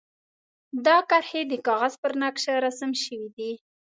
دا کرښې د کاغذ پر نقشه رسم شوي دي.